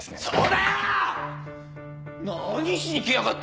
そうだよ‼